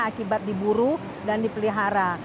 akibat diburu dan dipelihara